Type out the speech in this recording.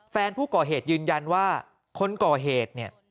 แฟนผู้ก่อเหตุยืนยันว่าคนก่อเหตุเนี่ย